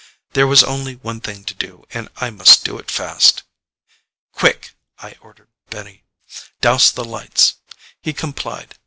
There was only one thing to do and I must do it fast. "Quick," I ordered Benny. "Douse the lights." He complied.